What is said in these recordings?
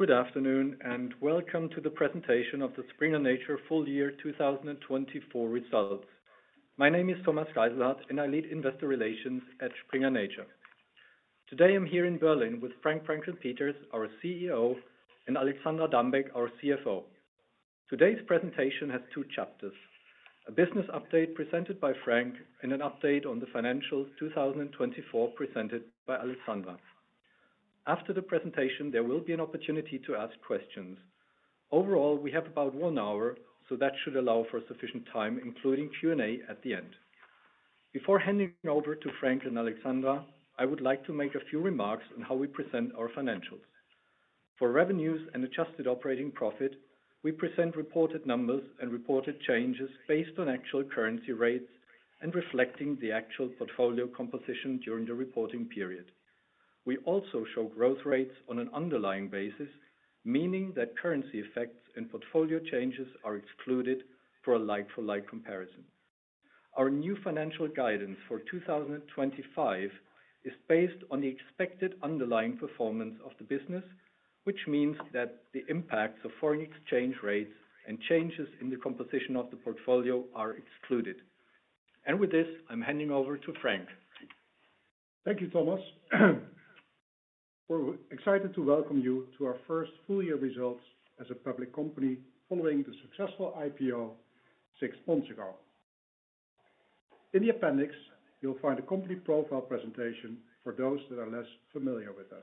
Good afternoon and welcome to the presentation of the Springer Nature full year 2024 results. My name is Thomas Geisselhart and I lead investor relations at Springer Nature. Today I am here in Berlin with Frank Vrancken Peeters, our CEO, and Alexandra Dambeck, our CFO. Today's presentation has two chapters: a business update presented by Frank and an update on the financials 2024 presented by Alexandra. After the presentation, there will be an opportunity to ask questions. Overall, we have about one hour, so that should allow for sufficient time, including Q&A at the end. Before handing over to Frank and Alexandra, I would like to make a few remarks on how we present our financials. For revenues and adjusted operating profit, we present reported numbers and reported changes based on actual currency rates and reflecting the actual portfolio composition during the reporting period. We also show growth rates on an underlying basis, meaning that currency effects and portfolio changes are excluded for a like-for-like comparison. Our new financial guidance for 2025 is based on the expected underlying performance of the business, which means that the impacts of foreign exchange rates and changes in the composition of the portfolio are excluded. With this, I'm handing over to Frank. Thank you, Thomas. We're excited to welcome you to our first full year results as a public company following the successful IPO six months ago. In the appendix, you'll find a company profile presentation for those that are less familiar with us.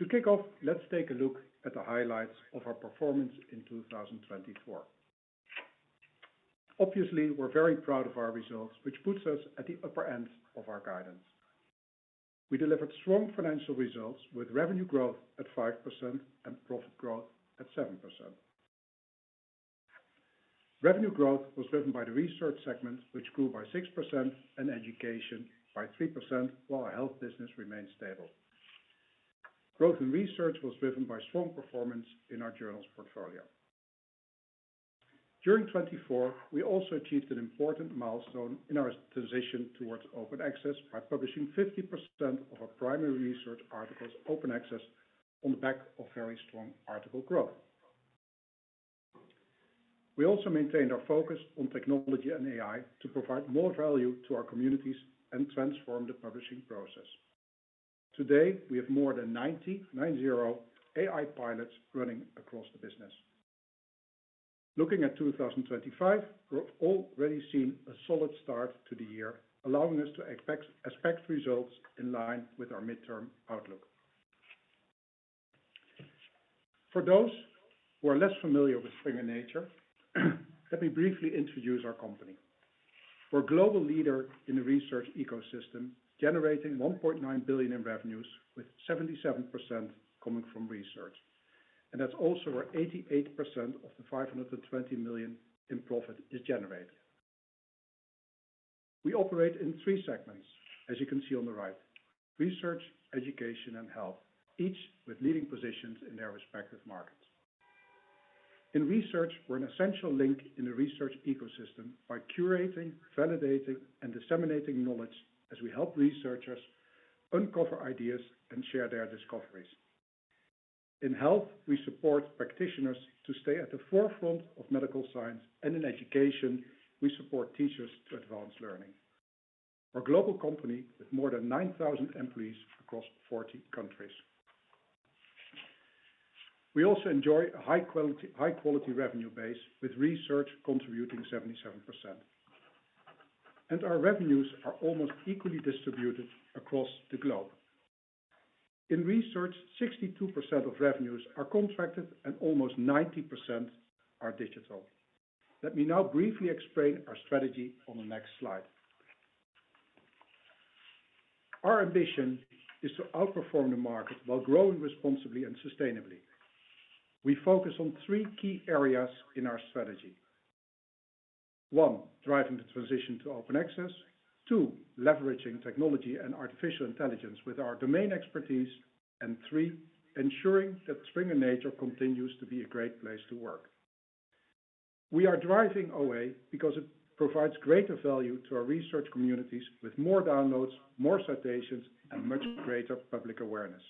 To kick off, let's take a look at the highlights of our performance in 2024. Obviously, we're very proud of our results, which puts us at the upper end of our guidance. We delivered strong financial results with revenue growth at 5% and profit growth at 7%. Revenue growth was driven by the research segment, which grew by 6% and education by 3%, while our health business remained stable. Growth in research was driven by strong performance in our journals portfolio. During 2024, we also achieved an important milestone in our transition towards open access by publishing 50% of our primary research articles open access on the back of very strong article growth. We also maintained our focus on technology and AI to provide more value to our communities and transform the publishing process. Today, we have more than 90 AI pilots running across the business. Looking at 2025, we've already seen a solid start to the year, allowing us to expect results in line with our midterm outlook. For those who are less familiar with Springer Nature, let me briefly introduce our company. We're a global leader in the research ecosystem, generating 1.9 billion in revenues, with 77% coming from research. That is also where 88% of the 520 million in profit is generated. We operate in three segments, as you can see on the right: research, education, and health, each with leading positions in their respective markets. In research, we're an essential link in the research ecosystem by curating, validating, and disseminating knowledge as we help researchers uncover ideas and share their discoveries. In health, we support practitioners to stay at the forefront of medical science, and in education, we support teachers to advance learning. We're a global company with more than 9,000 employees across 40 countries. We also enjoy a high-quality revenue base, with research contributing 77%. Our revenues are almost equally distributed across the globe. In research, 62% of revenues are contracted and almost 90% are digital. Let me now briefly explain our strategy on the next slide. Our ambition is to outperform the market while growing responsibly and sustainably. We focus on three key areas in our strategy. One, driving the transition to open access. Two, leveraging technology and artificial intelligence with our domain expertise. Three, ensuring that Springer Nature continues to be a great place to work. We are driving OA because it provides greater value to our research communities with more downloads, more citations, and much greater public awareness.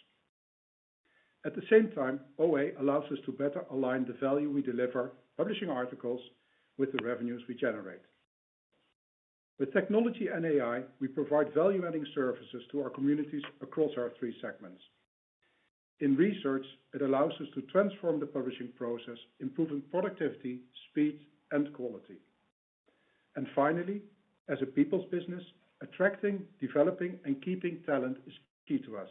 At the same time, OA allows us to better align the value we deliver, publishing articles, with the revenues we generate. With technology and AI, we provide value-adding services to our communities across our three segments. In research, it allows us to transform the publishing process, improving productivity, speed, and quality. Finally, as a people's business, attracting, developing, and keeping talent is key to us.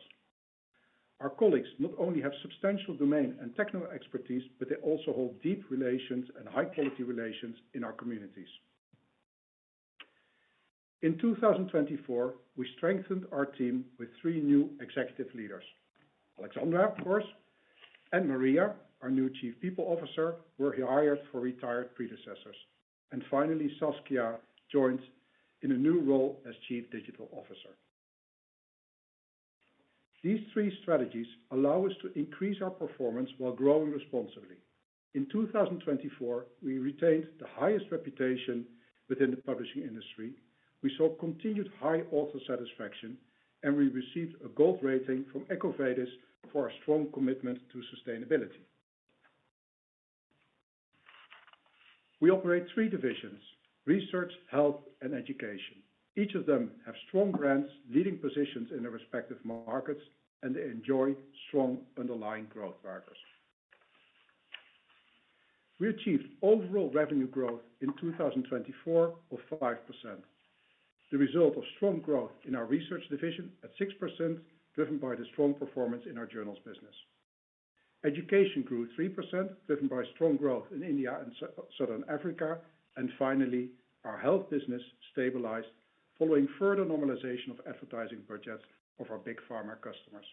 Our colleagues not only have substantial domain and techno expertise, but they also hold deep relations and high-quality relations in our communities. In 2024, we strengthened our team with three new executive leaders: Alexandra, of course, and Maria, our new Chief People Officer, were hired for retired predecessors. Finally, Saskia joined in a new role as Chief Digital Officer. These three strategies allow us to increase our performance while growing responsibly. In 2024, we retained the highest reputation within the publishing industry. We saw continued high author satisfaction, and we received a gold rating from EcoVadis for our strong commitment to sustainability. We operate three divisions: research, health, and education. Each of them has strong brands, leading positions in their respective markets, and they enjoy strong underlying growth markers. We achieved overall revenue growth in 2024 of 5%, the result of strong growth in our research division at 6%, driven by the strong performance in our journals business. Education grew 3%, driven by strong growth in India and Southern Africa. Finally, our health business stabilized following further normalization of advertising budgets of our big pharma customers.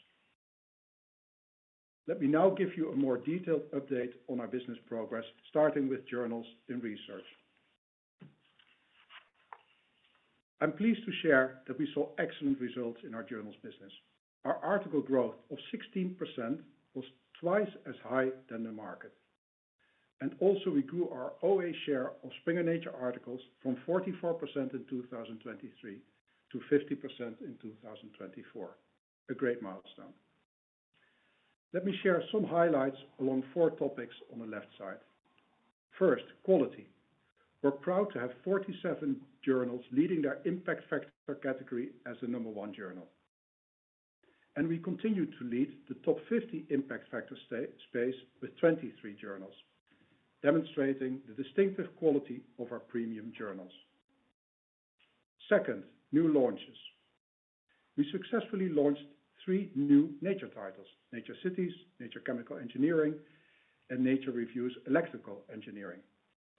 Let me now give you a more detailed update on our business progress, starting with journals and research. I'm pleased to share that we saw excellent results in our journals business. Our article growth of 16% was twice as high than the market. Also, we grew our OA share of Springer Nature articles from 44% in 2023 to 50% in 2024. A great milestone. Let me share some highlights along four topics on the left side. First, quality. We're proud to have 47 journals leading their impact factor category as the number one journal. We continue to lead the top 50 impact factor space with 23 journals, demonstrating the distinctive quality of our premium journals. Second, new launches. We successfully launched three new Nature titles: Nature Cities, Nature Chemical Engineering, and Nature Reviews Electrical Engineering,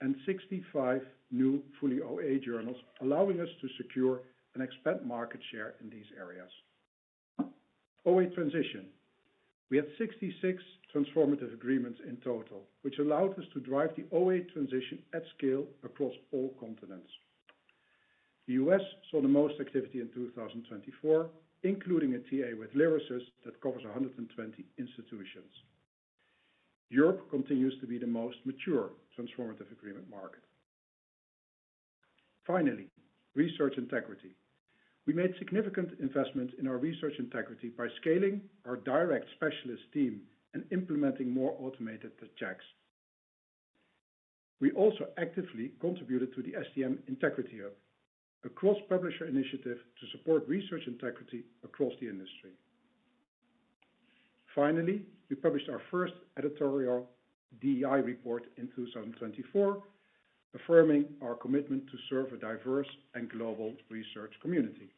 and 65 new fully OA journals, allowing us to secure and expand market share in these areas. OA transition. We had 66 transformative agreements in total, which allowed us to drive the OA transition at scale across all continents. The U.S. saw the most activity in 2024, including a TA with Lyrasis that covers 120 institutions. Europe continues to be the most mature transformative agreement market. Finally, research integrity. We made significant investments in our research integrity by scaling our direct specialist team and implementing more automated checks. We also actively contributed to the STM Integrity Hub, a cross-publisher initiative to support research integrity across the industry. Finally, we published our first editorial DEI report in 2024, affirming our commitment to serve a diverse and global research community.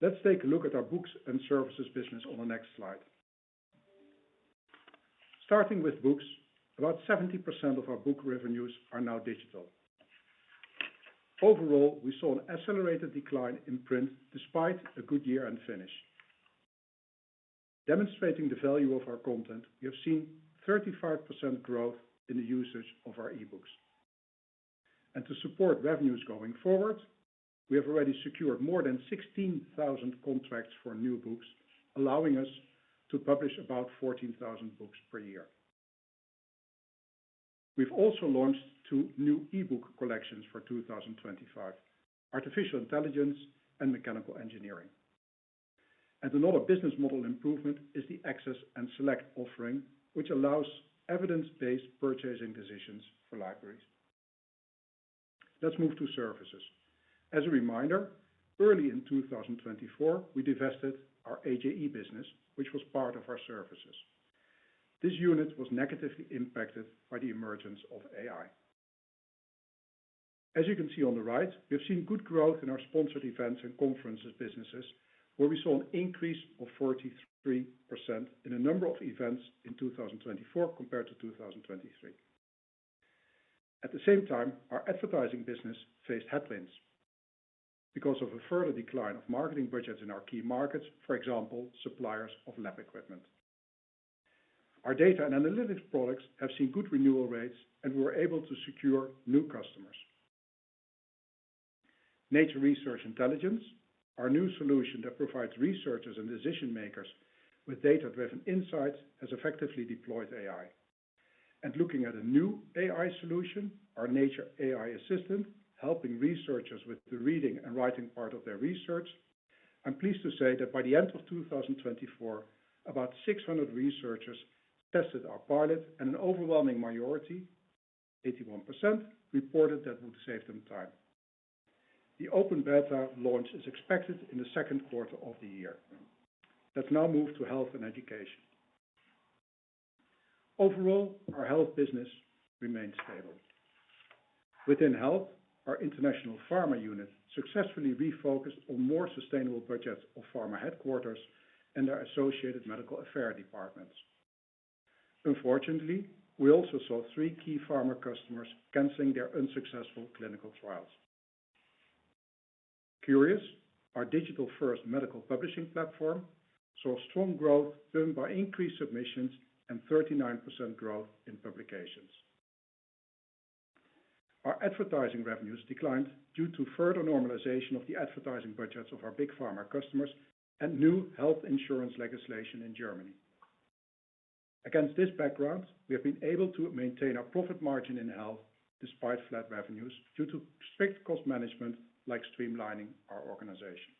Let's take a look at our books and services business on the next slide. Starting with books, about 70% of our book revenues are now digital. Overall, we saw an accelerated decline in print despite a good year-end finish. Demonstrating the value of our content, we have seen 35% growth in the usage of our e-books. To support revenues going forward, we have already secured more than 16,000 contracts for new books, allowing us to publish about 14,000 books per year. We have also launched two new e-book collections for 2025: Artificial Intelligence and Mechanical Engineering. Another business model improvement is the access and select offering, which allows evidence-based purchasing decisions for libraries. Let's move to services. As a reminder, early in 2024, we divested our AJE business, which was part of our services. This unit was negatively impacted by the emergence of AI. As you can see on the right, we have seen good growth in our sponsored events and conferences businesses, where we saw an increase of 43% in the number of events in 2024 compared to 2023. At the same time, our advertising business faced headwinds because of a further decline of marketing budgets in our key markets, for example, suppliers of lab equipment. Our data and analytics products have seen good renewal rates, and we were able to secure new customers. Nature Research Intelligence, our new solution that provides researchers and decision makers with data-driven insights, has effectively deployed AI. Looking at a new AI solution, our Nature AI Assistant, helping researchers with the reading and writing part of their research. I'm pleased to say that by the end of 2024, about 600 researchers tested our pilot, and an overwhelming majority, 81%, reported that it would save them time. The open beta launch is expected in the second quarter of the year. Let's now move to health and education. Overall, our health business remains stable. Within health, our international pharma unit successfully refocused on more sustainable budgets of pharma headquarters and their associated medical affairs departments. Unfortunately, we also saw three key pharma customers canceling their unsuccessful clinical trials. Cureus, our digital-first medical publishing platform saw strong growth driven by increased submissions and 39% growth in publications. Our advertising revenues declined due to further normalization of the advertising budgets of our big pharma customers and new health insurance legislation in Germany. Against this background, we have been able to maintain our profit margin in health despite flat revenues due to strict cost management, like streamlining our organization.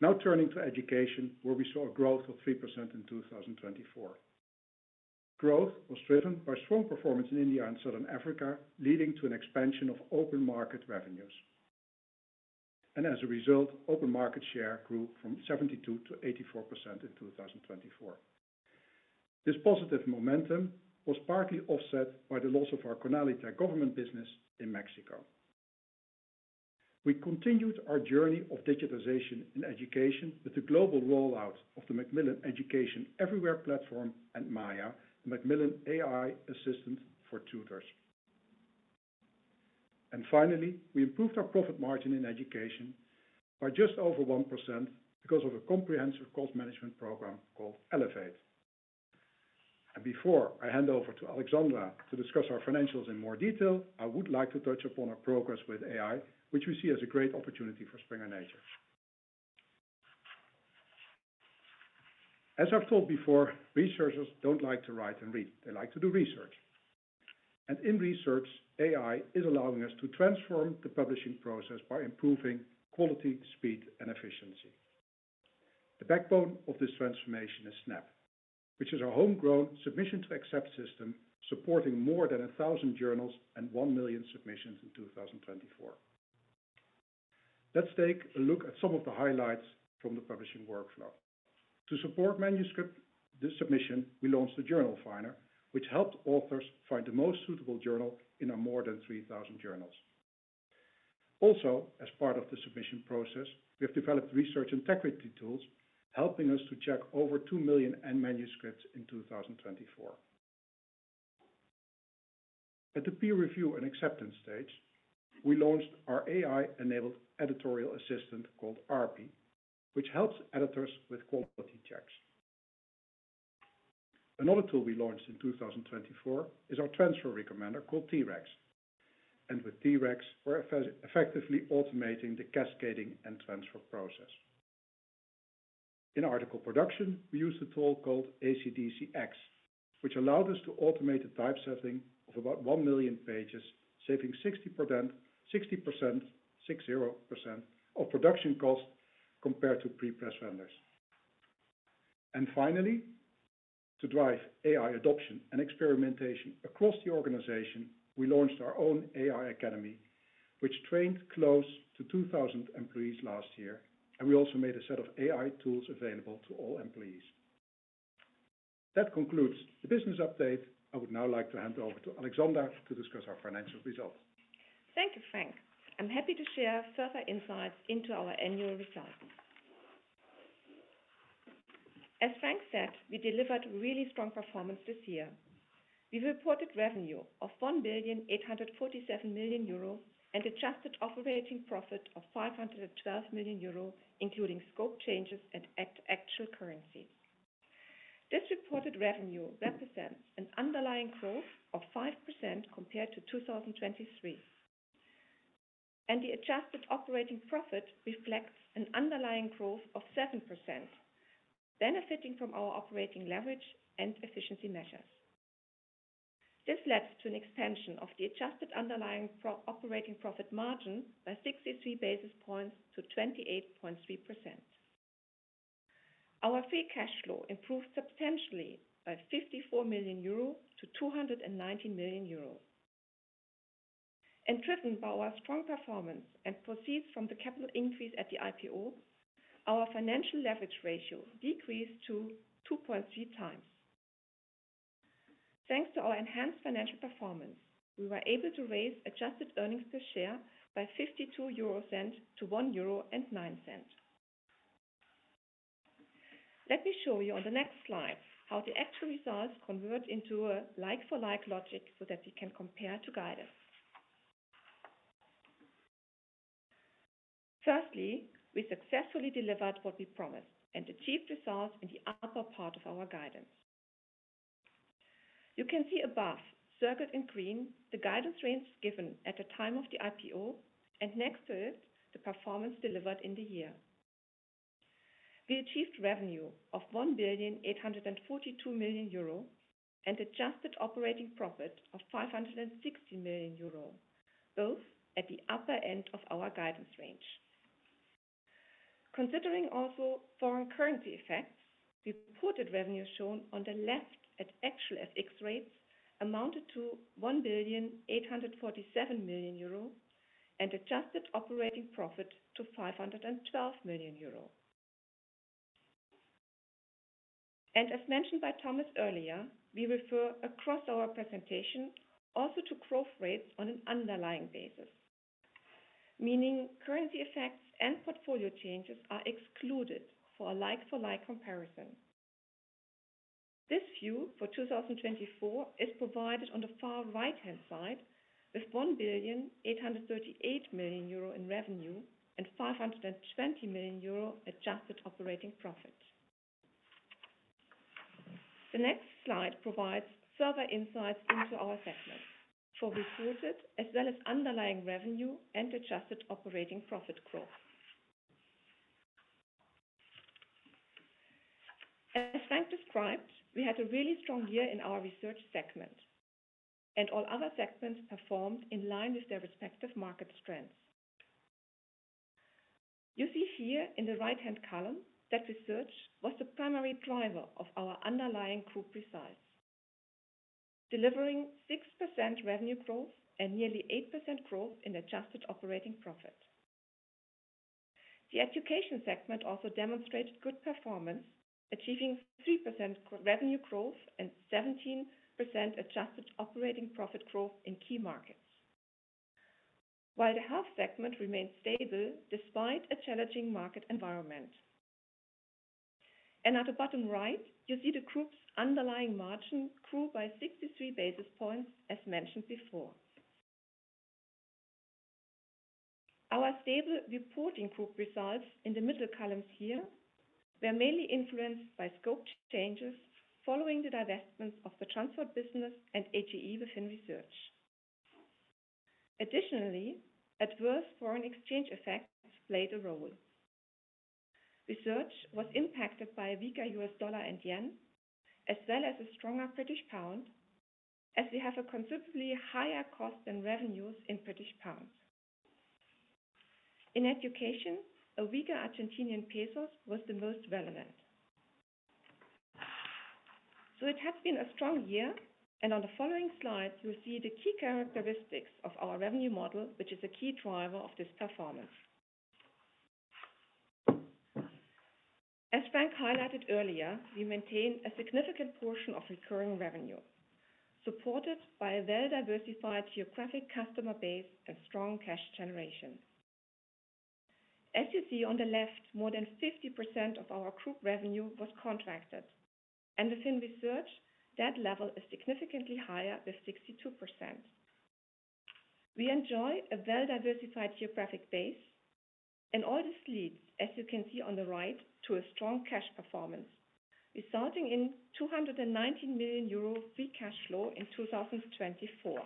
Now turning to education, where we saw a growth of 3% in 2024. Growth was driven by strong performance in India and Southern Africa, leading to an expansion of open market revenues. As a result, open market share grew from 72% to 84% in 2024. This positive momentum was partly offset by the loss of our CONALITEG government business in Mexico. We continued our journey of digitization in education with the global rollout of the Macmillan Education Everywhere platform and MAIA, the Macmillan AI Assistant for tutors. Finally, we improved our profit margin in education by just over 1% because of a comprehensive cost management program called Elevate. Before I hand over to Alexandra to discuss our financials in more detail, I would like to touch upon our progress with AI, which we see as a great opportunity for Springer Nature. As I've told before, researchers don't like to write and read. They like to do research. In research, AI is allowing us to transform the publishing process by improving quality, speed, and efficiency. The backbone of this transformation is Snapp, which is our homegrown submission-to-accept system supporting more than 1,000 journals and 1 million submissions in 2024. Let's take a look at some of the highlights from the publishing workflow. To support manuscript submission, we launched the Journal Finder, which helped authors find the most suitable journal in our more than 3,000 journals. Also, as part of the submission process, we have developed research integrity tools, helping us to check over 2 million manuscripts in 2024. At the peer review and acceptance stage, we launched our AI-enabled editorial assistant called ARPi, which helps editors with quality checks. Another tool we launched in 2024 is our transfer recommender called T-Recs. With T-Recs, we're effectively automating the cascading and transfer process. In article production, we used a tool called ACDCX, which allowed us to automate the typesetting of about 1 million pages, saving 60% of production cost compared to pre-press vendors. Finally, to drive AI adoption and experimentation across the organization, we launched our own AI Academy, which trained close to 2,000 employees last year. We also made a set of AI tools available to all employees. That concludes the business update. I would now like to hand over to Alexandra to discuss our financial results. Thank you, Frank. I'm happy to share further insights into our annual results. As Frank said, we delivered really strong performance this year. We reported revenue of 1,847,000,000 euro and adjusted operating profit of 512 million euro, including scope changes and actual currencies. This reported revenue represents an underlying growth of 5% compared to 2023. The adjusted operating profit reflects an underlying growth of 7%, benefiting from our operating leverage and efficiency measures. This led to an expansion of the adjusted underlying operating profit margin by 63 basis points to 28.3%. Our free cash flow improved substantially by 54 million euro to 290 million euro. Driven by our strong performance and proceeds from the capital increase at the IPO, our financial leverage ratio decreased to 2.3x. Thanks to our enhanced financial performance, we were able to raise adjusted earnings per share by 0.52 to 1.09 euro. Let me show you on the next slide how the actual results convert into a like-for-like logic so that we can compare to guidance. Firstly, we successfully delivered what we promised and achieved results in the upper part of our guidance. You can see above, circled in green, the guidance rates given at the time of the IPO, and next to it, the performance delivered in the year. We achieved revenue of 1,842,000,000 euro and adjusted operating profit of 560 million euro, both at the upper end of our guidance range. Considering also foreign currency effects, the reported revenue shown on the left at actual FX rates amounted to 1,847,000,000 euro and adjusted operating profit to 512 million euro. As mentioned by Thomas earlier, we refer across our presentation also to growth rates on an underlying basis, meaning currency effects and portfolio changes are excluded for a like-for-like comparison. This view for 2024 is provided on the far right-hand side with 1,838,000,000 euro in revenue and 520 million euro adjusted operating profit. The next slide provides further insights into our segment for reported as well as underlying revenue and adjusted operating profit growth. As Frank described, we had a really strong year in our research segment, and all other segments performed in line with their respective market strengths. You see here in the right-hand column that research was the primary driver of our underlying group results, delivering 6% revenue growth and nearly 8% growth in adjusted operating profit. The education segment also demonstrated good performance, achieving 3% revenue growth and 17% adjusted operating profit growth in key markets, while the health segment remained stable despite a challenging market environment. At the bottom right, you see the group's underlying margin grew by 63 basis points, as mentioned before. Our stable reporting group results in the middle columns here were mainly influenced by scope changes following the divestments of the transport business and AJE within research. Additionally, adverse foreign exchange effects played a role. Research was impacted by a weaker US dollar and yen, as well as a stronger British pound, as we have a considerably higher cost than revenues in British pounds. In education, a weaker Argentinian peso was the most relevant. It has been a strong year, and on the following slide, you'll see the key characteristics of our revenue model, which is a key driver of this performance. As Frank highlighted earlier, we maintain a significant portion of recurring revenue, supported by a well-diversified geographic customer base and strong cash generation. As you see on the left, more than 50% of our group revenue was contracted, and within research, that level is significantly higher with 62%. We enjoy a well-diversified geographic base, and all this leads, as you can see on the right, to a strong cash performance, resulting in 219 million euro free cash flow in 2024.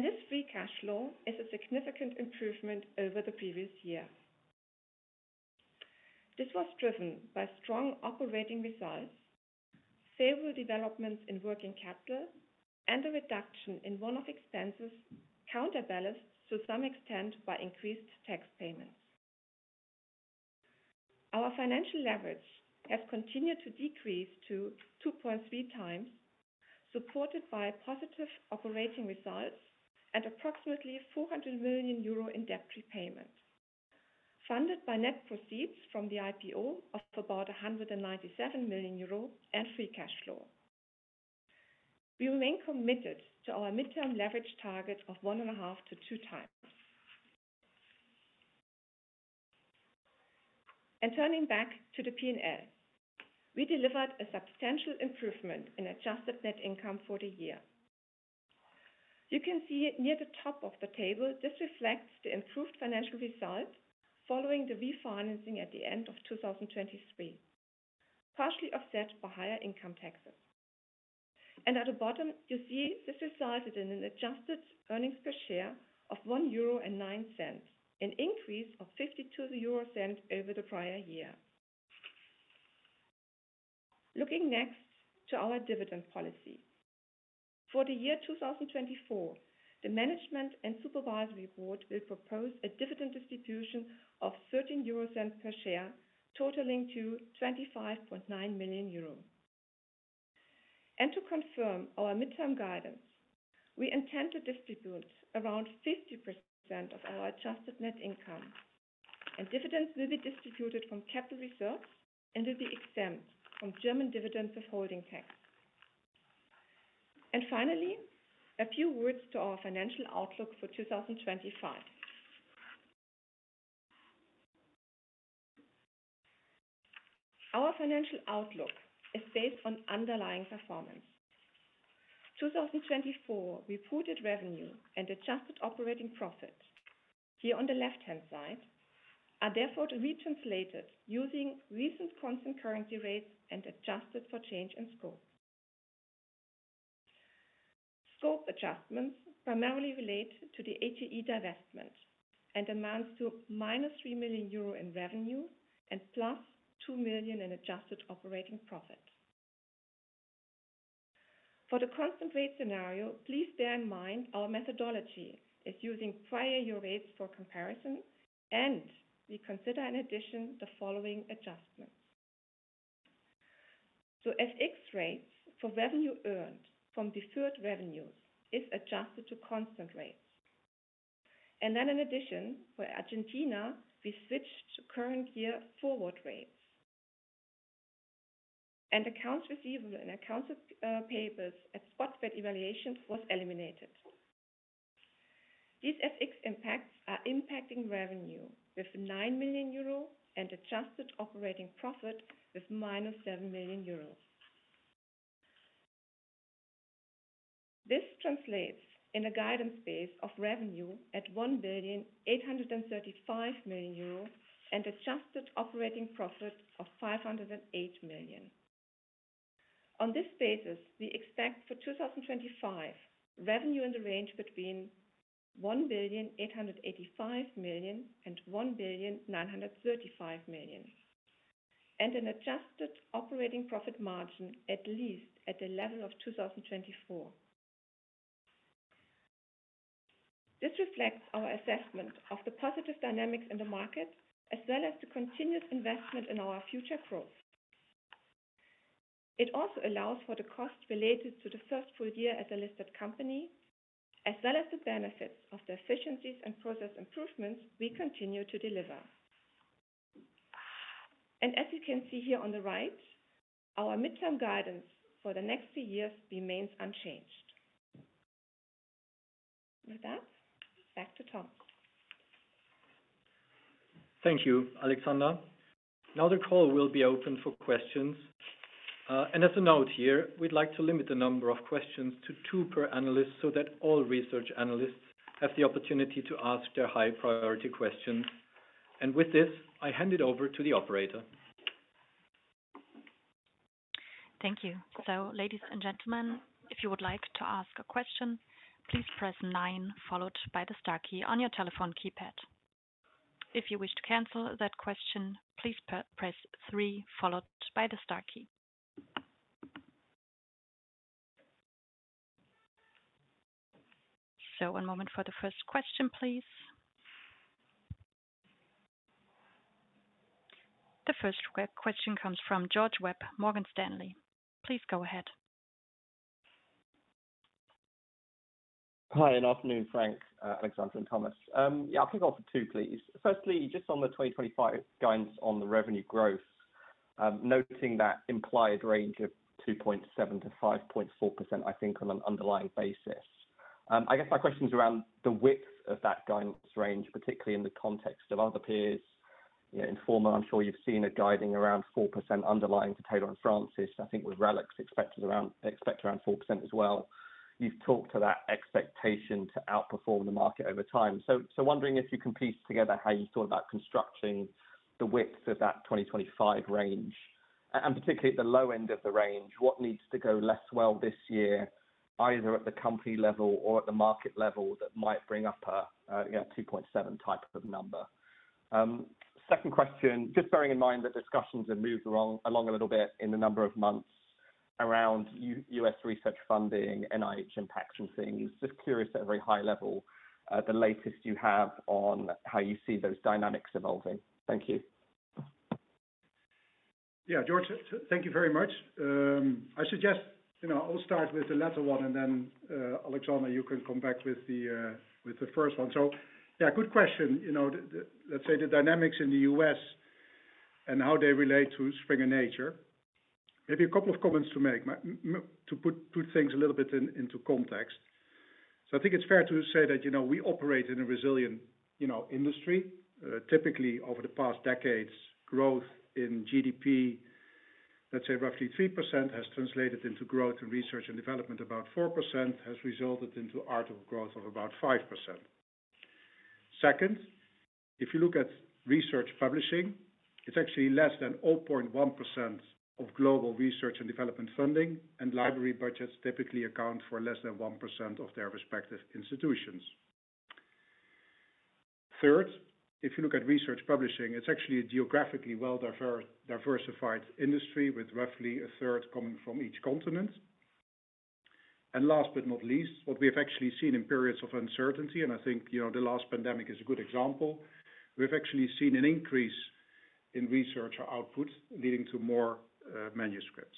This free cash flow is a significant improvement over the previous year. This was driven by strong operating results, stable developments in working capital, and a reduction in one-off expenses counterbalanced to some extent by increased tax payments. Our financial leverage has continued to decrease to 2.3x, supported by positive operating results and approximately 400 million euro in debt repayment, funded by net proceeds from the IPO of about 197 million euro and free cash flow. We remain committed to our midterm leverage target of 1.5x-2x. Turning back to the P&L, we delivered a substantial improvement in adjusted net income for the year. You can see near the top of the table, this reflects the improved financial result following the refinancing at the end of 2023, partially offset by higher income taxes. At the bottom, you see this resulted in an adjusted earnings per share of 1.09 euro, an increase of 0.52 over the prior year. Looking next to our dividend policy. For the year 2024, the Management and Supervisory Board will propose a dividend distribution of 0.13 per share, totaling to 25.9 million euros. To confirm our midterm guidance, we intend to distribute around 50% of our adjusted net income, and dividends will be distributed from capital reserves and will be exempt from German dividends withholding tax. Finally, a few words to our financial outlook for 2025. Our financial outlook is based on underlying performance. 2024 reported revenue and adjusted operating profit, here on the left-hand side, are therefore retranslated using recent constant currency rates and adjusted for change in scope. Scope adjustments primarily relate to the AJE divestment and amount to -3 million euro in revenue and +2 million in adjusted operating profit. For the constant rate scenario, please bear in mind our methodology is using prior year rates for comparison, and we consider in addition the following adjustments. FX rates for revenue earned from deferred revenues is adjusted to constant rates. In addition, for Argentina, we switched to current year forward rates. Accounts receivable and accounts payable at spot FX valuation was eliminated. These FX impacts are impacting revenue with 9 million euro and adjusted operating profit with -7 million euros. This translates in a guidance base of revenue at 1,835,000,000 euro and adjusted operating profit of 508 million. On this basis, we expect for 2025 revenue in the range between 1,885,000,000 and 1,935,000,000, and an adjusted operating profit margin at least at the level of 2024. This reflects our assessment of the positive dynamics in the market, as well as the continuous investment in our future growth. It also allows for the cost related to the first full year as a listed company, as well as the benefits of the efficiencies and process improvements we continue to deliver. As you can see here on the right, our midterm guidance for the next three years remains unchanged. With that, back to Thomas. Thank you, Alexandra. Now the call will be open for questions. As a note here, we'd like to limit the number of questions to two per analyst so that all research analysts have the opportunity to ask their high-priority questions. With this, I hand it over to the operator. Thank you. Ladies and gentlemen, if you would like to ask a question, please press nine followed by the star key on your telephone keypad. If you wish to cancel that question, please press three followed by the star key. One moment for the first question, please. The first question comes from George Webb, Morgan Stanley. Please go ahead. Hi, and afternoon, Frank, Alexandra, and Thomas. Yeah, I'll kick off with two, please. Firstly, just on the 2025 guidance on the revenue growth, noting that implied range of 2.7%-5.4%, I think, on an underlying basis. I guess my question is around the width of that guidance range, particularly in the context of other peers. Informa, I'm sure you've seen a guiding around 4% underlying to Taylor & Francis. I think with RELX, expect around 4% as well. You've talked to that expectation to outperform the market over time. Wondering if you can piece together how you thought about constructing the width of that 2025 range, and particularly at the low end of the range, what needs to go less well this year, either at the company level or at the market level, that might bring up a 2.7% type of number. Second question, just bearing in mind that discussions have moved along a little bit in the number of months around U.S. research funding, NIH impacts and things. Just curious at a very high level, the latest you have on how you see those dynamics evolving. Thank you. Yeah, George, thank you very much. I suggest I'll start with the latter one, and then Alexandra, you can come back with the first one. Good question. Let's say the dynamics in the U.S. and how they relate to Springer Nature. Maybe a couple of comments to make to put things a little bit into context. I think it's fair to say that we operate in a resilient industry. Typically, over the past decades, growth in GDP, let's say roughly 3%, has translated into growth in research and development. About 4% has resulted into article growth of about 5%. If you look at research publishing, it's actually less than 0.1% of global research and development funding, and library budgets typically account for less than 1% of their respective institutions. If you look at research publishing, it's actually a geographically well-diversified industry with roughly a third coming from each continent. Last but not least, what we have actually seen in periods of uncertainty, and I think the last pandemic is a good example, we've actually seen an increase in research output leading to more manuscripts.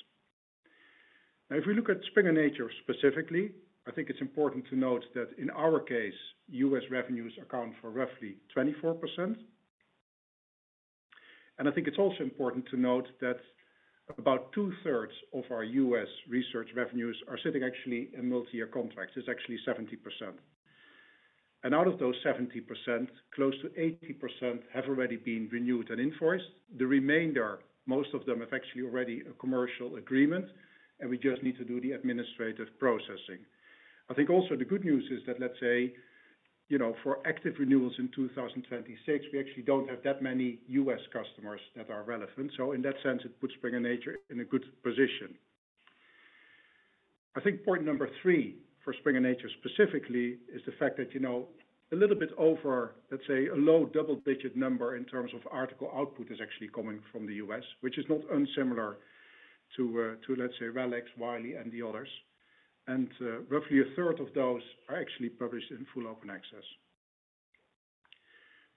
Now, if we look at Springer Nature specifically, I think it's important to note that in our case, U.S. revenues account for roughly 24%. I think it's also important to note that about 2/3 of our U.S. research revenues are sitting actually in multi-year contracts. It's actually 70%. Out of those 70%, close to 80% have already been renewed and invoiced. The remainder, most of them have actually already a commercial agreement, and we just need to do the administrative processing. I think also the good news is that, let's say, for active renewals in 2026, we actually don't have that many U.S. customers that are relevant. In that sense, it puts Springer Nature in a good position. I think point number three for Springer Nature specifically is the fact that a little bit over, let's say, a low double-digit number in terms of article output is actually coming from the U.S., which is not unsimilar to, let's say, RELX, Wiley, and the others. Roughly a third of those are actually published in full open access.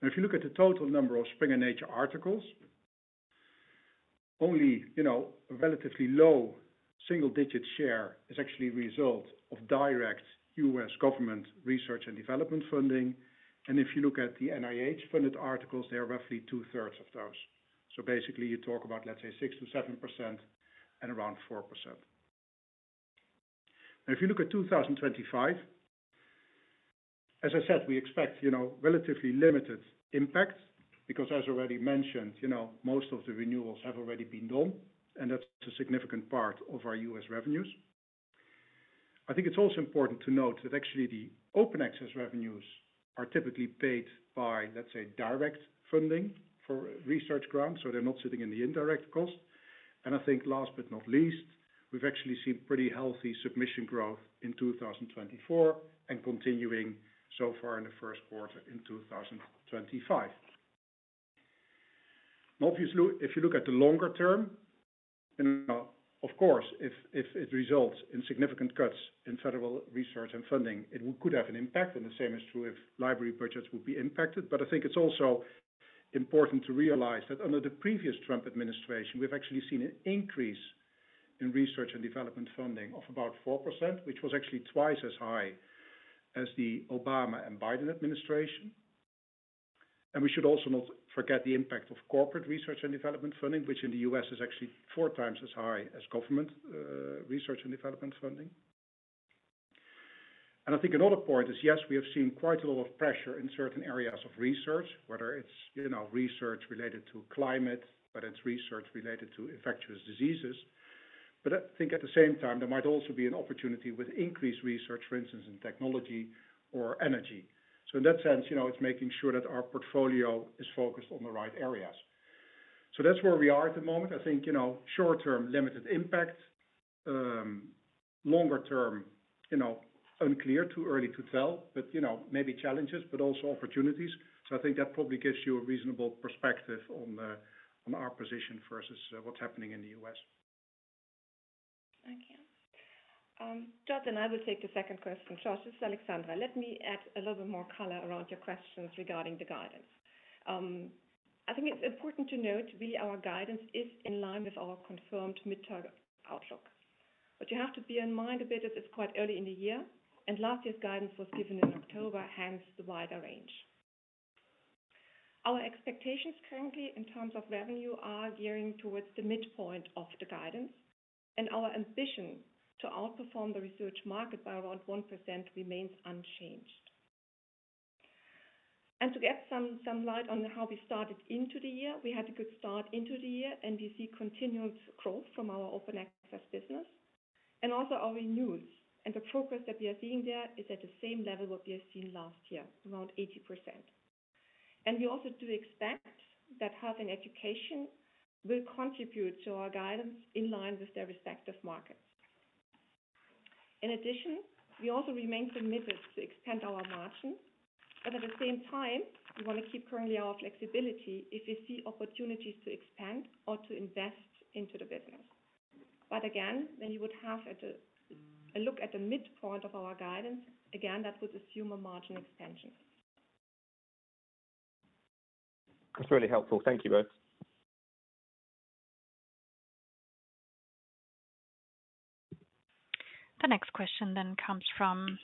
Now, if you look at the total number of Springer Nature articles, only a relatively low single-digit share is actually a result of direct U.S. government research and development funding. If you look at the NIH-funded articles, they are roughly two-thirds of those. Basically, you talk about, let's say, 6%-7% and around 4%. Now, if you look at 2025, as I said, we expect relatively limited impact because, as already mentioned, most of the renewals have already been done, and that's a significant part of our U.S. revenues. I think it's also important to note that actually the open access revenues are typically paid by, let's say, direct funding for research grants, so they're not sitting in the indirect cost. I think last but not least, we've actually seen pretty healthy submission growth in 2024 and continuing so far in the first quarter in 2025. Now, obviously, if you look at the longer term, of course, if it results in significant cuts in federal research and funding, it could have an impact, and the same is true if library budgets would be impacted. I think it's also important to realize that under the previous Trump administration, we've actually seen an increase in research and development funding of about 4%, which was actually twice as high as the Obama and Biden administration. We should also not forget the impact of corporate research and development funding, which in the U.S. is actually 4x as high as government research and development funding. I think another point is, yes, we have seen quite a lot of pressure in certain areas of research, whether it's research related to climate, whether it's research related to infectious diseases. I think at the same time, there might also be an opportunity with increased research, for instance, in technology or energy. In that sense, it's making sure that our portfolio is focused on the right areas. That's where we are at the moment. I think short-term limited impact, longer-term unclear, too early to tell, but maybe challenges, but also opportunities. I think that probably gives you a reasonable perspective on our position versus what's happening in the U.S. Thank you. George, I will take the second question. This is Alexandra. Let me add a little bit more color around your questions regarding the guidance. I think it's important to note, really, our guidance is in line with our confirmed midterm outlook. What you have to bear in mind a bit is it's quite early in the year, and last year's guidance was given in October, hence the wider range. Our expectations currently in terms of revenue are gearing towards the midpoint of the guidance, and our ambition to outperform the research market by around 1% remains unchanged. To get some light on how we started into the year, we had a good start into the year, and we see continued growth from our open access business. Also, our renewals and the progress that we are seeing there is at the same level as what we have seen last year, around 80%. We also do expect that health and education will contribute to our guidance in line with their respective markets. In addition, we also remain committed to expand our margin, but at the same time, we want to keep currently our flexibility if we see opportunities to expand or to invest into the business. Again, when you would have a look at the midpoint of our guidance, that would assume a margin expansion. That's really helpful. Thank you both. The next question then comes from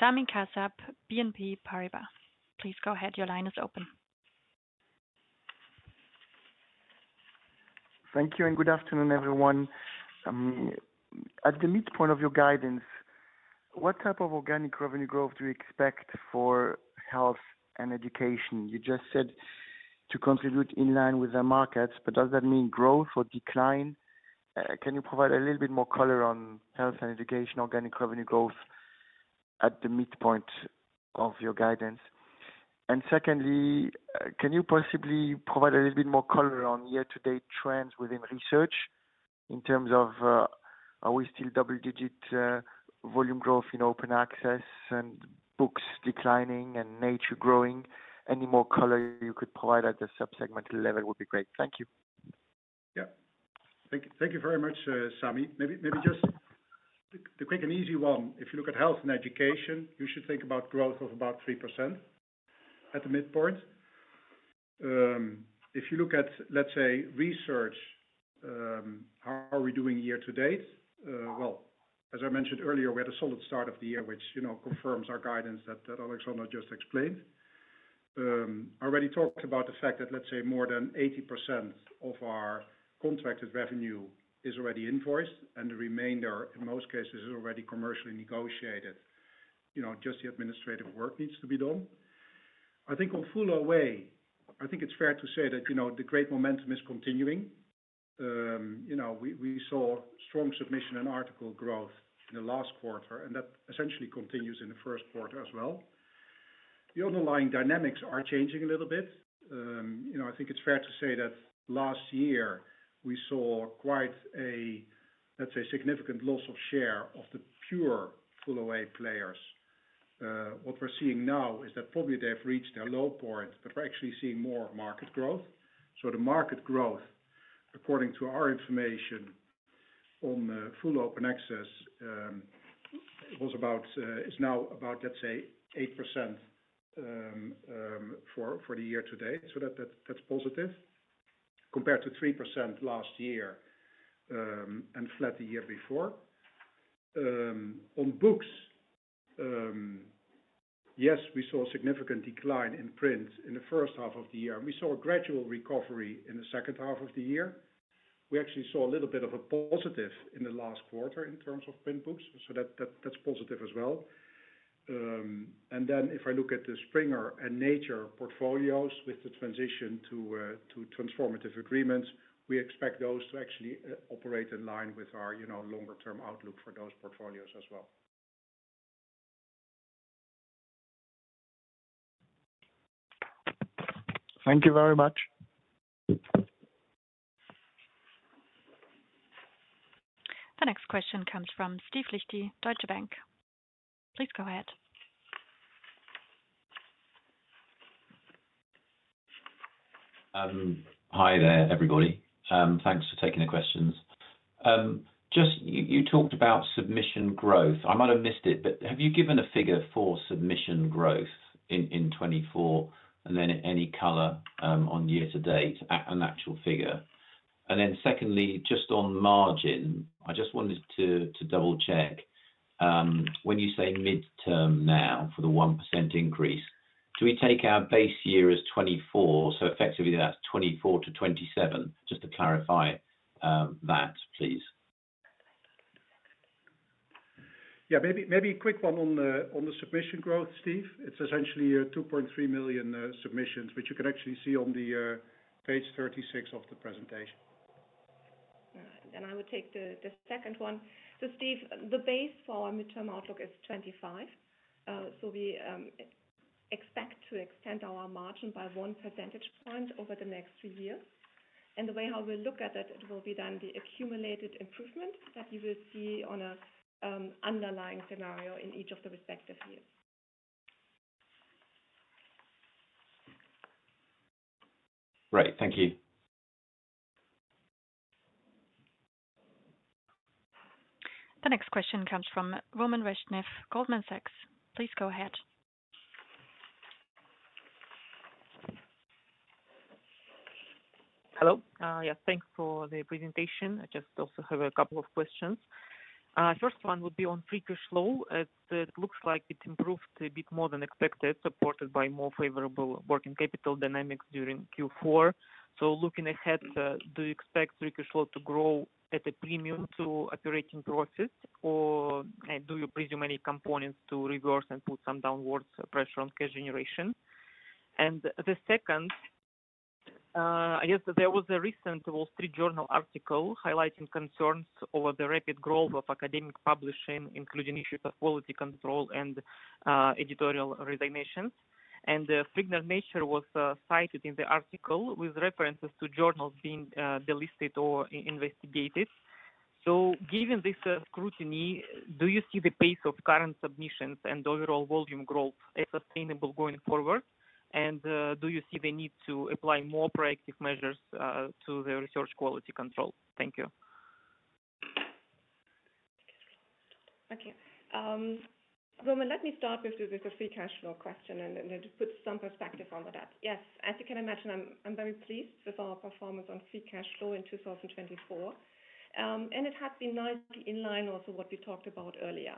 Sami Kassab, BNP Paribas. Please go ahead. Your line is open. Thank you and good afternoon, everyone. At the midpoint of your guidance, what type of organic revenue growth do you expect for health and education? You just said to contribute in line with the markets, but does that mean growth or decline? Can you provide a little bit more color on health and education organic revenue growth at the midpoint of your guidance? Secondly, can you possibly provide a little bit more color on year-to-date trends within research in terms of are we still double-digit volume growth in open access and books declining and Nature growing? Any more color you could provide at the subsegment level would be great. Thank you. Yeah. Thank you very much, Sami. Maybe just the quick and easy one. If you look at health and education, you should think about growth of about 3% at the midpoint. If you look at, let's say, research, how are we doing year-to-date? As I mentioned earlier, we had a solid start of the year, which confirms our guidance that Alexandra just explained. I already talked about the fact that, let's say, more than 80% of our contracted revenue is already invoiced, and the remainder, in most cases, is already commercially negotiated. Just the administrative work needs to be done. I think we'll follow away. I think it's fair to say that the great momentum is continuing. We saw strong submission and article growth in the last quarter, and that essentially continues in the first quarter as well. The underlying dynamics are changing a little bit. I think it's fair to say that last year, we saw quite a, let's say, significant loss of share of the pure full OA players. What we're seeing now is that probably they've reached their low point, but we're actually seeing more market growth. The market growth, according to our information on full open access, is now about, let's say, 8% for the year-to-date. That's positive compared to 3% last year and flat the year before. On books, yes, we saw a significant decline in print in the first half of the year. We saw a gradual recovery in the second half of the year. We actually saw a little bit of a positive in the last quarter in terms of print books. That's positive as well. If I look at the Springer and Nature portfolios with the transition to transformative agreements, we expect those to actually operate in line with our longer-term outlook for those portfolios as well. Thank you very much. The next question comes from Steve Liechti, Deutsche Bank. Please go ahead. Hi there, everybody. Thanks for taking the questions. Just you talked about submission growth. I might have missed it, but have you given a figure for submission growth in 2024? And then any color on year-to-date, an actual figure? And then secondly, just on margin, I just wanted to double-check. When you say midterm now for the 1% increase, do we take our base year as 2024? So effectively, that's 2024 to 2027. Just to clarify that, please. Yeah, maybe a quick one on the submission growth, Steve. It's essentially 2.3 million submissions, which you can actually see on page 36 of the presentation. All right. I will take the second one. Steve, the base for our midterm outlook is 2025. We expect to extend our margin by one percentage point over the next three years. The way how we'll look at it, it will be done, the accumulated improvement that you will see on an underlying scenario in each of the respective years. Great. Thank you. The next question comes from Roman Reshetnev, Goldman Sachs. Please go ahead. Hello. Yes, thanks for the presentation. I just also have a couple of questions. The first one would be on free cash flow. It looks like it improved a bit more than expected, supported by more favorable working capital dynamics during Q4. Looking ahead, do you expect free cash flow to grow at a premium to operating profit, or do you presume any components to reverse and put some downward pressure on cash generation? The second, I guess there was a recent Wall Street Journal article highlighting concerns over the rapid growth of academic publishing, including issues of quality control and editorial resignations. Springer Nature was cited in the article with references to journals being delisted or investigated. Given this scrutiny, do you see the pace of current submissions and overall volume growth as sustainable going forward? Do you see the need to apply more proactive measures to the research quality control? Thank you. Okay. Roman, let me start with the free cash flow question and put some perspective on that. Yes, as you can imagine, I'm very pleased with our performance on free cash flow in 2024. It has been nicely in line also with what we talked about earlier.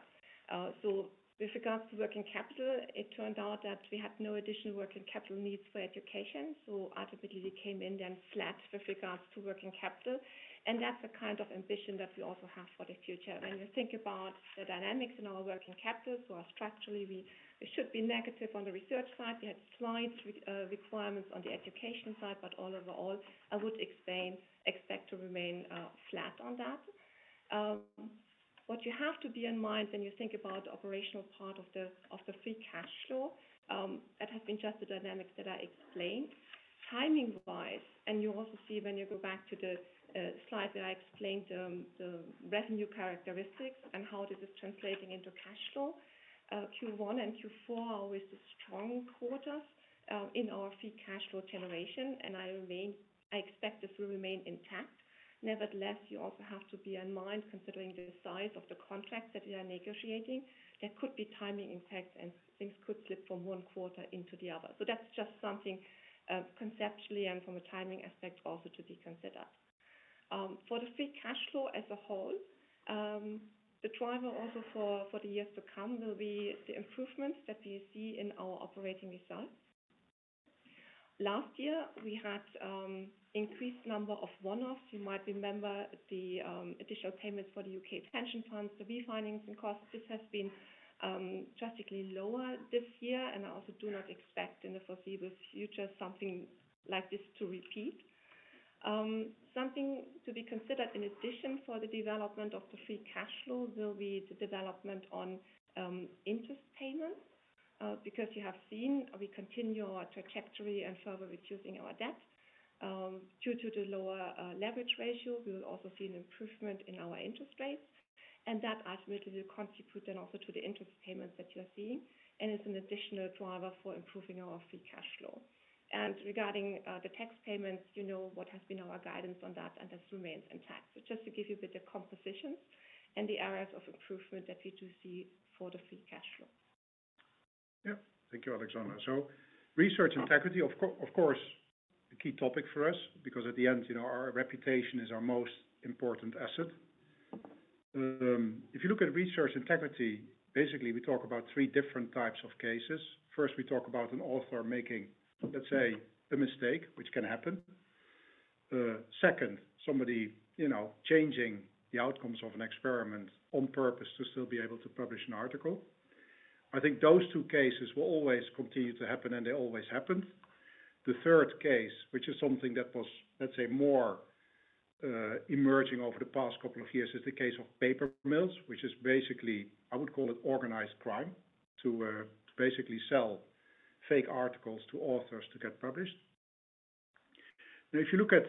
With regards to working capital, it turned out that we had no additional working capital needs for education. Ultimately, we came in flat with regards to working capital. That is the kind of ambition that we also have for the future. When you think about the dynamics in our working capital, structurally, we should be negative on the research side. We had slight requirements on the education side, but overall, I would expect to remain flat on that. What you have to bear in mind when you think about the operational part of the free cash flow is that has been just the dynamics that I explained. Timing-wise, and you also see when you go back to the slide where I explained the revenue characteristics and how this is translating into cash flow, Q1 and Q4 are always the strong quarters in our free cash flow generation, and I expect this will remain intact. Nevertheless, you also have to bear in mind considering the size of the contracts that we are negotiating, there could be timing impacts and things could slip from one quarter into the other. That is just something conceptually and from a timing aspect also to be considered. For the free cash flow as a whole, the driver also for the years to come will be the improvements that we see in our operating results. Last year, we had an increased number of one-offs. You might remember the additional payments for the U.K. pension funds, the refinancing costs. This has been drastically lower this year, and I also do not expect in the foreseeable future something like this to repeat. Something to be considered in addition for the development of the free cash flow will be the development on interest payments because you have seen we continue our trajectory and further reducing our debt. Due to the lower leverage ratio, we will also see an improvement in our interest rates, and that ultimately will contribute then also to the interest payments that you're seeing and is an additional driver for improving our free cash flow. Regarding the tax payments, you know what has been our guidance on that, and this remains intact. Just to give you a bit of compositions and the areas of improvement that we do see for the free cash flow. Yeah. Thank you, Alexandra. Research integrity, of course, a key topic for us because at the end, our reputation is our most important asset. If you look at research integrity, basically, we talk about three different types of cases. First, we talk about an author making, let's say, a mistake, which can happen. Second, somebody changing the outcomes of an experiment on purpose to still be able to publish an article. I think those two cases will always continue to happen, and they always happened. The third case, which is something that was, let's say, more emerging over the past couple of years, is the case of paper mills, which is basically, I would call it organized crime to basically sell fake articles to authors to get published. Now, if you look at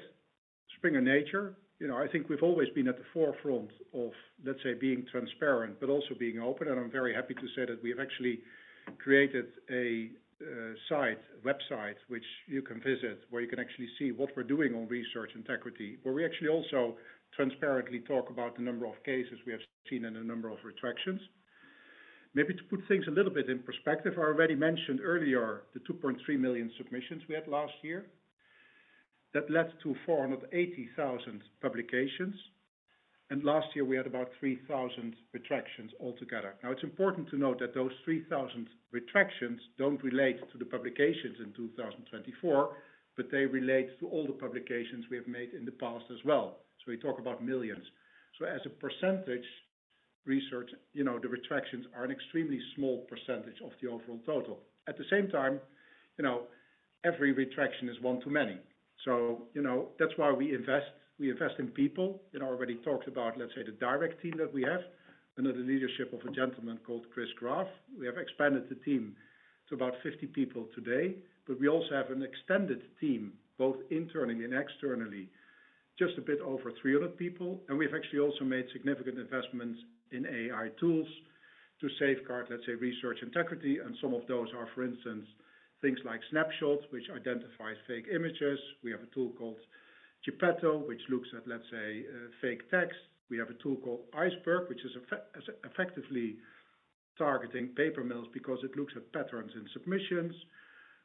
Springer Nature, I think we've always been at the forefront of, let's say, being transparent, but also being open. I'm very happy to say that we have actually created a website, which you can visit, where you can actually see what we're doing on research integrity, where we actually also transparently talk about the number of cases we have seen and the number of retractions. Maybe to put things a little bit in perspective, I already mentioned earlier the 2.3 million submissions we had last year. That led to 480,000 publications. Last year, we had about 3,000 retractions altogether. Now, it's important to note that those 3,000 retractions do not relate to the publications in 2024, but they relate to all the publications we have made in the past as well. We talk about millions. As a percentage, research, the retractions are an extremely small percentage of the overall total. At the same time, every retraction is one too many. That is why we invest in people. I already talked about, let's say, the direct team that we have under the leadership of a gentleman called Chris Graf. We have expanded the team to about 50 people today, but we also have an extended team, both internally and externally, just a bit over 300 people. We have actually also made significant investments in AI tools to safeguard, let's say, research integrity. Some of those are, for instance, things like SnappShot, which identifies fake images. We have a tool called Geppetto, which looks at, let's say, fake text. We have a tool called Iceberg, which is effectively targeting paper mills because it looks at patterns in submissions.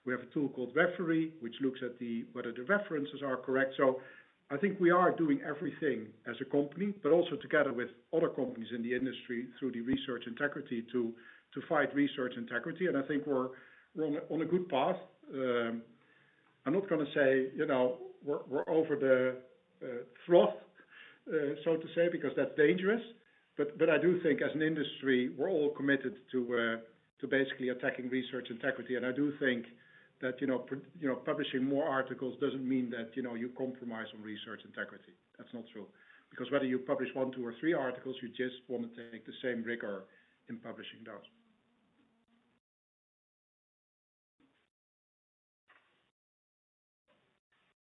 We have a tool called Referee, which looks at whether the references are correct. I think we are doing everything as a company, but also together with other companies in the industry through the research integrity to fight research integrity. I think we're on a good path. I'm not going to say we're over the trough, so to say, because that's dangerous. I do think as an industry, we're all committed to basically attacking research integrity. I do think that publishing more articles doesn't mean that you compromise on research integrity. That's not true. Because whether you publish one, two, or three articles, you just want to take the same rigor in publishing those.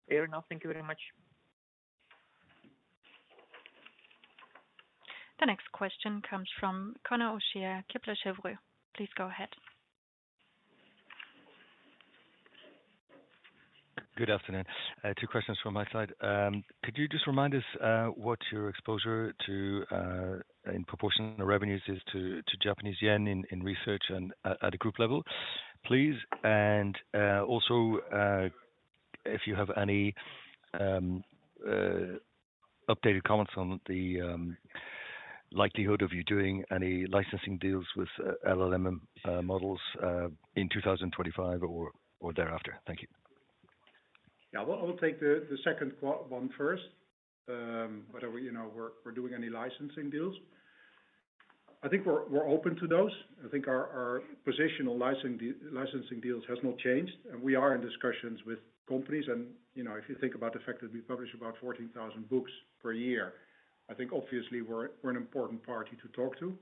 Fair enough. Thank you very much. The next question comes from Conor O'Shea, Kepler Cheuvreux. Please go ahead. Good afternoon. Two questions from my side. Could you just remind us what your exposure in proportion to revenues is to Japanese yen in research and at a group level, please? Also, if you have any updated comments on the likelihood of you doing any licensing deals with LLM models in 2025 or thereafter? Thank you. Yeah, I will take the second one first. Whether we're doing any licensing deals. I think we're open to those. I think our position on licensing deals has not changed. We are in discussions with companies. If you think about the fact that we publish about 14,000 books per year, I think obviously we're an important party to talk to.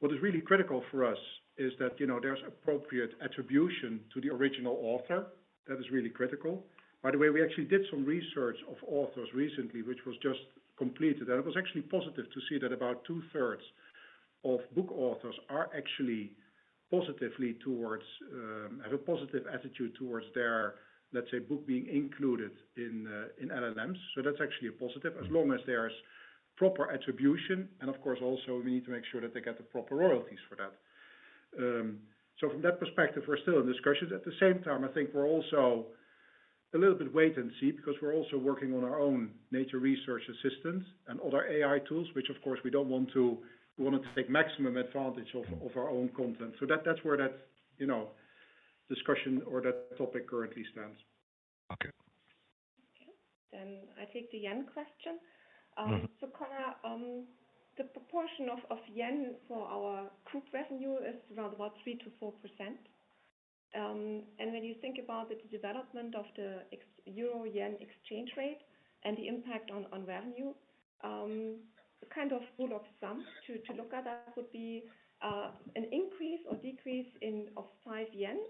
What is really critical for us is that there's appropriate attribution to the original author. That is really critical. By the way, we actually did some research of authors recently, which was just completed. It was actually positive to see that about two-thirds of book authors are actually positive towards, have a positive attitude towards their, let's say, book being included in LLMs. That is actually a positive as long as there is proper attribution. Of course, we also need to make sure that they get the proper royalties for that. From that perspective, we are still in discussion. At the same time, I think we are also a little bit wait and see because we are also working on our own Nature Research Assistant and other AI tools, which of course we do not want to, we want to take maximum advantage of our own content. That is where that discussion or that topic currently stands. Okay. Okay. I take the yen question. Conor, the proportion of yen for our group revenue is around about 3%-4%. When you think about the development of the euro yen exchange rate and the impact on revenue, kind of rule of thumb to look at that would be an increase or decrease of 5 yen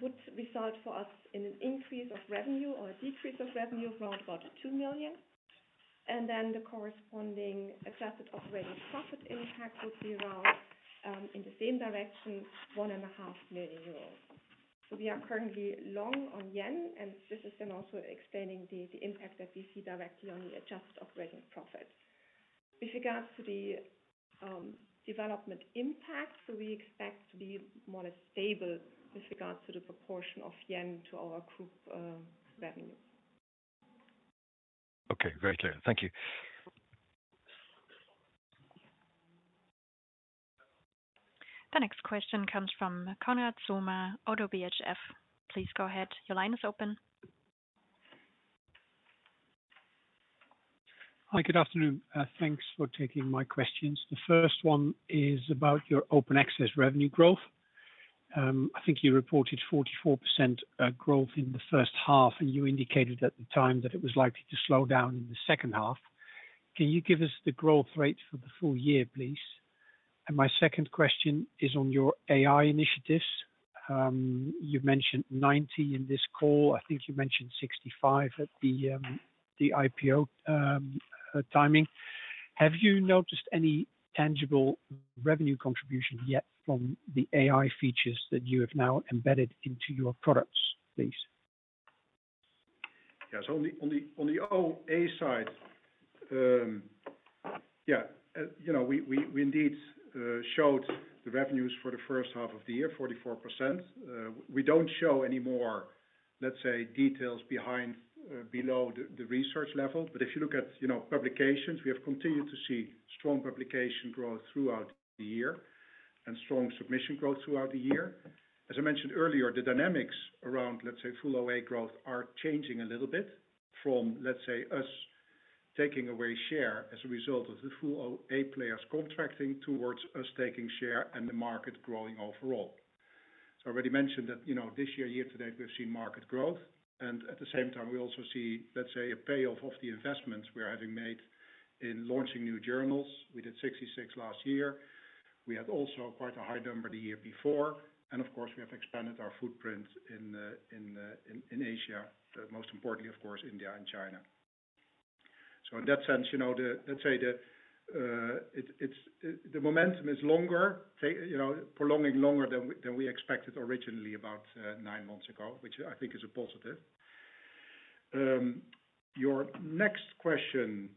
would result for us in an increase of revenue or a decrease of revenue of around about 2 million. The corresponding adjusted operating profit impact would be around, in the same direction, 1.5 million euros. We are currently long on yen, and this is then also explaining the impact that we see directly on the adjusted operating profit. With regards to the development impact, we expect to be more stable with regards to the proportion of yen to our group revenue. Okay. Very clear. Thank you. The next question comes from Konrad Zomer, ODDO BHF. Please go ahead. Your line is open. Hi, good afternoon. Thanks for taking my questions. The first one is about your open access revenue growth. I think you reported 44% growth in the first half, and you indicated at the time that it was likely to slow down in the second half. Can you give us the growth rate for the full year, please? My second question is on your AI initiatives. You mentioned 90 in this call. I think you mentioned 65 at the IPO timing. Have you noticed any tangible revenue contribution yet from the AI features that you have now embedded into your products, please? Yeah. On the OA side, yeah, we indeed showed the revenues for the first half of the year, 44%. We do not show any more, let's say, details below the research level. If you look at publications, we have continued to see strong publication growth throughout the year and strong submission growth throughout the year. As I mentioned earlier, the dynamics around, let's say, full OA growth are changing a little bit from, let's say, us taking away share as a result of the full OA players contracting towards us taking share and the market growing overall. I already mentioned that this year, year-to-date, we've seen market growth. At the same time, we also see, let's say, a payoff of the investments we're having made in launching new journals. We did 66 last year. We had also quite a high number the year before. Of course, we have expanded our footprint in Asia, most importantly, of course, India and China. In that sense, let's say the momentum is longer, prolonging longer than we expected originally about nine months ago, which I think is a positive. Your next question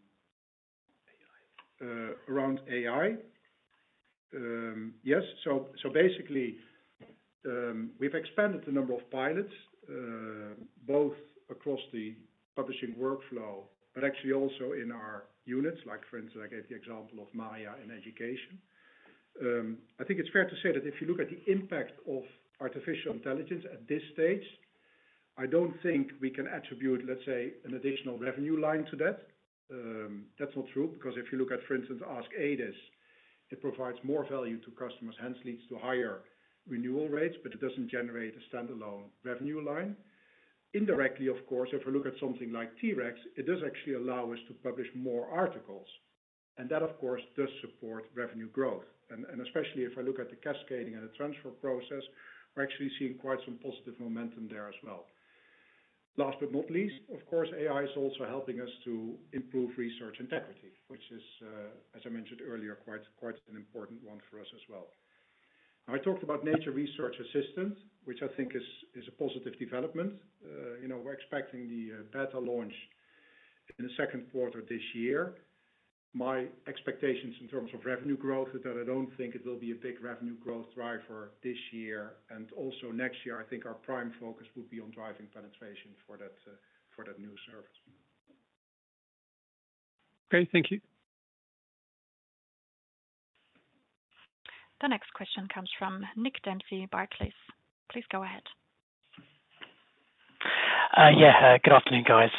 around AI, yes. Basically, we've expanded the number of pilots both across the publishing workflow, but actually also in our units, like for instance, I gave the example of MAIA in education. I think it's fair to say that if you look at the impact of artificial intelligence at this stage, I don't think we can attribute, let's say, an additional revenue line to that. That's not true because if you look at, for instance, AskAdis, it provides more value to customers, hence leads to higher renewal rates, but it doesn't generate a standalone revenue line. Indirectly, of course, if we look at something like T-Recs, it does actually allow us to publish more articles. That, of course, does support revenue growth. Especially if I look at the cascading and the transfer process, we're actually seeing quite some positive momentum there as well. Last but not least, of course, AI is also helping us to improve research integrity, which is, as I mentioned earlier, quite an important one for us as well. I talked about Nature Research Assistant, which I think is a positive development. We're expecting the beta launch in the second quarter this year. My expectations in terms of revenue growth is that I don't think it will be a big revenue growth driver this year. Also next year, I think our prime focus would be on driving penetration for that new service. Okay. Thank you. The next question comes from Nick Dempsey, Barclays. Please go ahead. Yeah. Good afternoon, guys.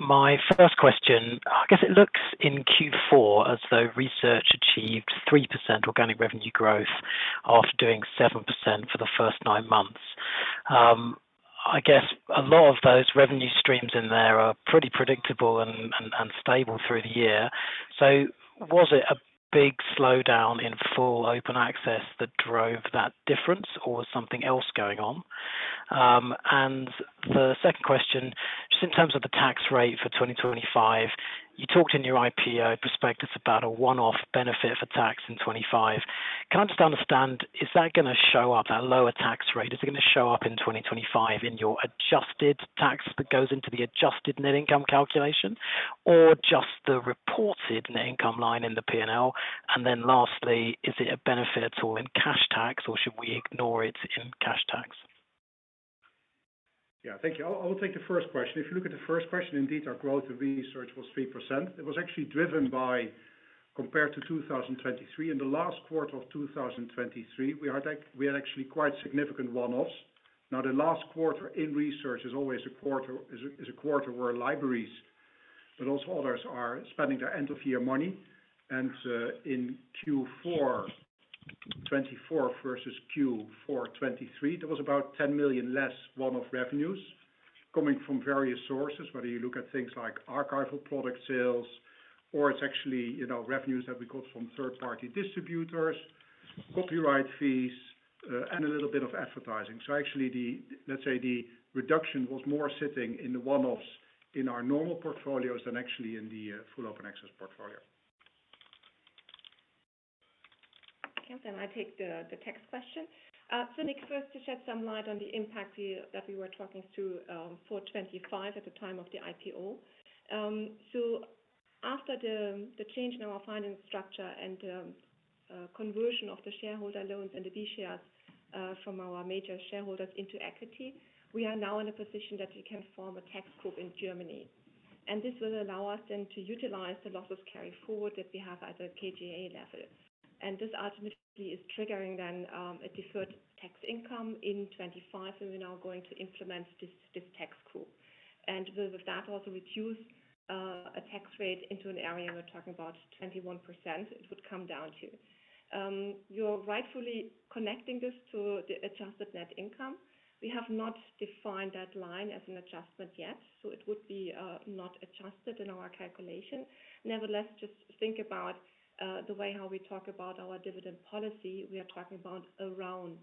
My first question, I guess it looks in Q4 as though research achieved 3% organic revenue growth after doing 7% for the first nine months. I guess a lot of those revenue streams in there are pretty predictable and stable through the year. Was it a big slowdown in full open access that drove that difference, or was something else going on? The second question, just in terms of the tax rate for 2025, you talked in your IPO prospectus about a one-off benefit for tax in 2025. Can I just understand, is that going to show up, that lower tax rate? Is it going to show up in 2025 in your adjusted tax that goes into the adjusted net income calculation, or just the reported net income line in the P&L? Lastly, is it a benefit at all in cash tax, or should we ignore it in cash tax? Thank you. I will take the first question. If you look at the first question, indeed, our growth in research was 3%. It was actually driven by compared to 2023. In the last quarter of 2023, we had actually quite significant one-offs. Now, the last quarter in research is always a quarter where libraries, but also others, are spending their end-of-year money. In Q4 2024 versus Q4 2023, there was about 10 million less one-off revenues coming from various sources, whether you look at things like archival product sales, or it's actually revenues that we got from third-party distributors, copyright fees, and a little bit of advertising. Actually, let's say the reduction was more sitting in the one-offs in our normal portfolios than actually in the full open access portfolio. Okay. Then I take the tax question. Nick, first to shed some light on the impact that we were talking through for 2025 at the time of the IPO. After the change in our finance structure and conversion of the shareholder loans and the B shares from our major shareholders into equity, we are now in a position that we can form a tax group in Germany. This will allow us then to utilize the losses carry forward that we have at the KGaA level. This ultimately is triggering then a deferred tax income in 2025 when we're now going to implement this tax group. Will that also reduce a tax rate into an area we're talking about, 21%. It would come down to. You're rightfully connecting this to the adjusted net income. We have not defined that line as an adjustment yet, so it would be not adjusted in our calculation. Nevertheless, just think about the way how we talk about our dividend policy. We are talking about around.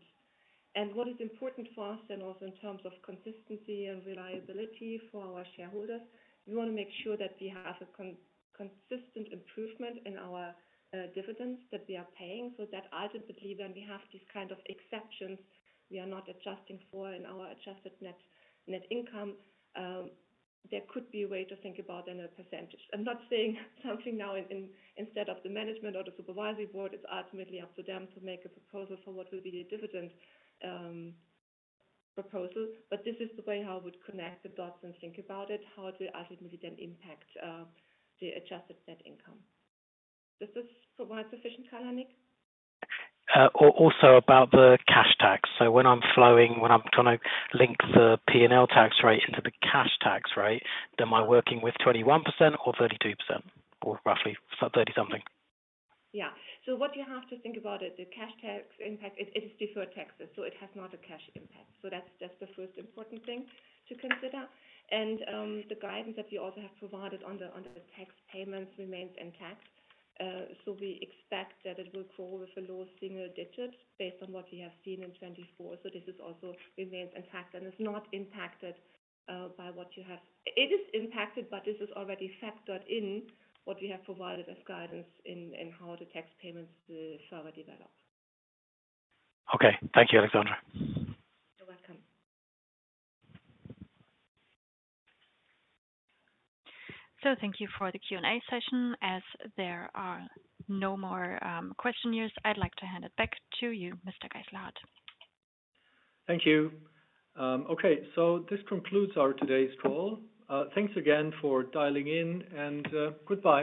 What is important for us then also in terms of consistency and reliability for our shareholders, we want to make sure that we have a consistent improvement in our dividends that we are paying. That ultimately when we have these kind of exceptions we are not adjusting for in our adjusted net income, there could be a way to think about then a percentage. I'm not saying something now instead of the Management or the Supervisory Board. It's ultimately up to them to make a proposal for what will be the dividend proposal. This is the way how I would connect the dots and think about it, how it will ultimately then impact the adjusted net income. Does this provide sufficient clarity, Nick? Also about the cash tax. When I'm flowing, when I'm trying to link the P&L tax rate into the cash tax rate, then am I working with 21% or 32% or roughly 30-something? Yeah. What you have to think about is the cash tax impact. It is deferred taxes, so it has not a cash impact. That's the first important thing to consider. The guidance that we also have provided on the tax payments remains intact. We expect that it will grow with a low single-digit based on what we have seen in 2024. This also remains intact and is not impacted by what you have. It is impacted, but this is already factored in what we have provided as guidance in how the tax payments will further develop. Okay. Thank you, Alexandra. You're welcome. Thank you for the Q&A session. As there are no more questioners, I'd like to hand it back to you, Mr. Geisselhart. Thank you. Okay. This concludes our today's call. Thanks again for dialing in, and goodbye.